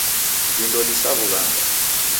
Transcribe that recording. Vindo ni sa w'ughanga.